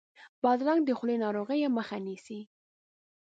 بادرنګ د خولې ناروغیو مخه نیسي.